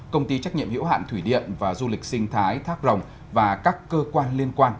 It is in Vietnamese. công ty trách nhiệm hiểu hạn thủy điện và du lịch sinh thái thác rồng và các cơ quan liên quan